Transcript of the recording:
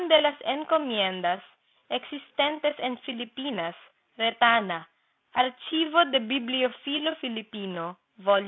2 Relacidn de las Encomiendas, existentes en Filipinos, Retana. Archive del Bibliofilo Filipino, vol.